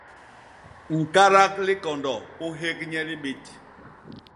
ñkadak likondo u nhék nye libit.